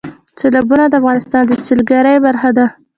سیلابونه د افغانستان د سیلګرۍ برخه ده.